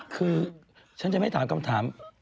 คือฉันจะไม่ถามคำถาม